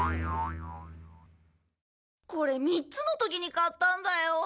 これ３つの時に買ったんだよ。